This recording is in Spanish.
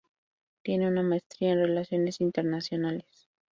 Tiene una maestría en relaciones internacionales.